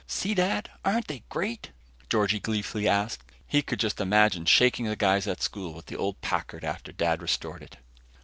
"See, Dad, aren't they great?" Georgie gleefully asked. He could just imagine shaking the guys at school with the old Packard, after Dad restored it.